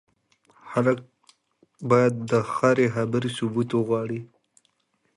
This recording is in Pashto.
خلک بايد د هرې خبرې ثبوت وغواړي.